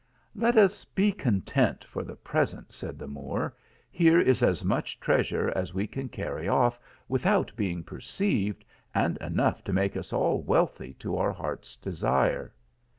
"Let us be content for the present," said the Moor ;" here is as much treasure as we can carry off without being perceived, and enough to make us ail wealthy to our heart s desire."